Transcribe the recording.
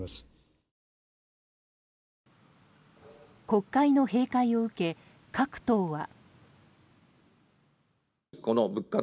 国会の閉会を受け、各党は。